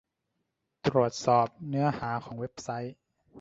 ตรวจสอบเนื้อหาของเว็บไซต์